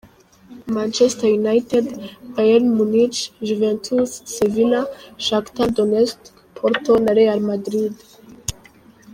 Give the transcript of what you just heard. Manchester United: Bayern Munich, Juventus , Sevilla , Shakhtar Donestk , Porto na Real Madrid .